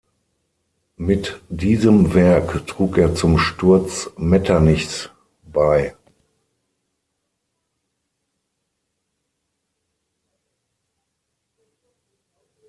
Mit diesem Werk trug er zum Sturz Metternichs bei.